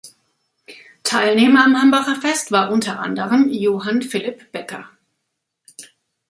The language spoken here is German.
Teilnehmer am Hambacher Fest war unter anderen Johann Philipp Becker.